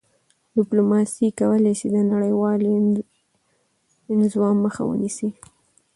ډیپلوماسي کولای سي د نړیوالي انزوا مخه ونیسي..